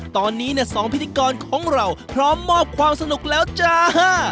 ตอนนี้เนี่ย๒พิธีกรของเราพร้อมมอบความสนุกแล้วจ้า